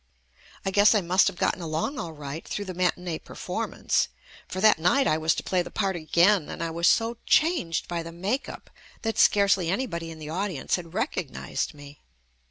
I guess I must have gotten along all right through the matinee performance, for that night I was to play the part again, and I was so changed by the makeup that scarcely anybody in the au dience had recognized me.